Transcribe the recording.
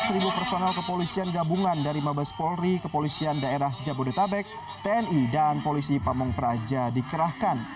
lima belas personel kepolisian gabungan dari mabes polri kepolisian daerah jabodetabek tni dan polisi pamung praja dikerahkan